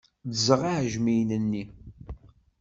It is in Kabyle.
Ddzeɣ iɛejmiyen-nni.